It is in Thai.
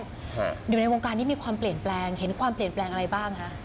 อยู่ในวงการนี้มีความเปลี่ยนแปลงเห็นความเปลี่ยนแปลงอะไรบ้างคะ